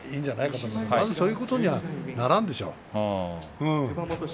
でもまずそういうことにはならんでしょう。